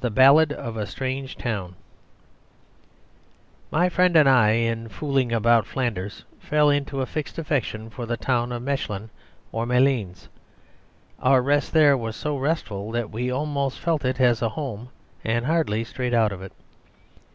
The Ballade of a Strange Town My friend and I, in fooling about Flanders, fell into a fixed affection for the town of Mechlin or Malines. Our rest there was so restful that we almost felt it as a home, and hardly strayed out of it.